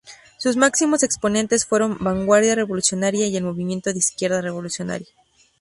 Sus máximos exponentes fueron Vanguardia Revolucionaria y el Movimiento de Izquierda Revolucionaria.